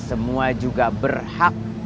semua juga berhak